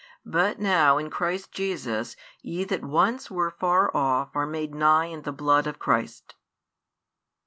But now in |86 Christ Jesus ye that once were far off are made nigh in the blood of Christ.